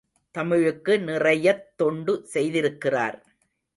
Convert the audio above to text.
தமிழுக்கு நிறையத் தொண்டு செய்திருக்கிறார்.